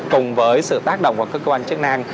cùng với sự tác động của các cơ quan chức năng